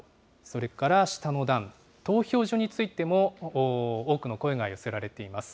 それから下の段、投票所についても多くの声が寄せられています。